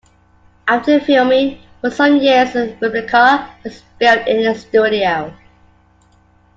After filming for some years a replica was built in the studio.